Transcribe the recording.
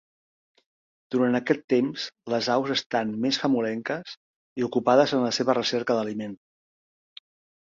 Durant aquest temps, les aus estan més famolenques i ocupades en la seva recerca d'aliment.